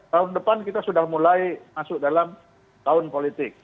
tahun depan kita sudah mulai masuk dalam tahun politik